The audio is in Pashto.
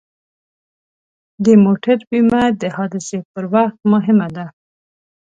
د موټر بیمه د حادثې پر وخت مهمه ده.